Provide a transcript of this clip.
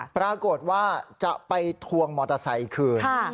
ปรากฏว่าจะไปทวงมอเตอร์ไซค์คืน